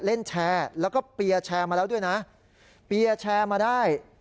เล่นแชร์แล้วก็เปียร์แชร์มาแล้วด้วยนะเปียร์แชร์มาได้